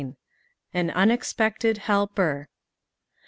AN UNEXPECTED HELPEB.